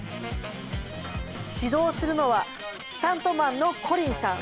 指導するのはスタントマンのコリンさん。